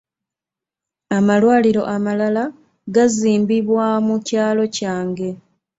Amalwaliro amalala gazimbibwa mu kyalo kyange.